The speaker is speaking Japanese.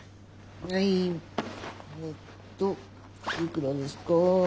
えっといくらですか。